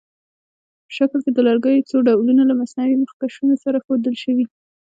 په شکل کې د لرګیو څو ډولونه له مصنوعي مخکشونو سره ښودل شوي.